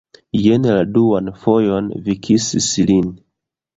Jen la duan fojon vi kisis lin